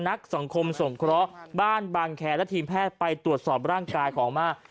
นักสังคมสงเคราะห์บ้านบางแคร์และทีมแพทย์ไปตรวจสอบร่างกายของอาม่า